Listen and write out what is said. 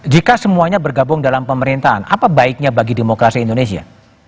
jika semuanya bergabung dalam pemerintahan apa baiknya bagi demokrasi indonesia